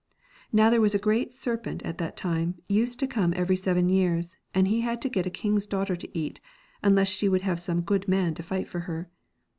Now there was a great serpent at that time used to come every seven years, and he had to get a king's daughter to eat, unless she would have some good man to fight for her.